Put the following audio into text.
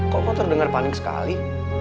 kok kamu terdengar panik sekali